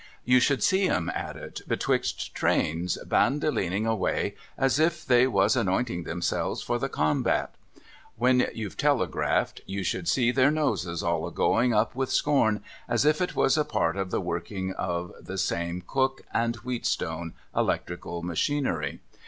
You should see 'em at it, betwixt trains, Bandolining away, as if they was anointing themselves for the combat. When you're telegraphed, you should see their noses all a going up with scorn, as if it was a part of the working of the same Cooke and Wheatstone electrical machinery.